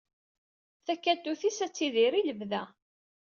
Takatut-is ad tidir i lebda.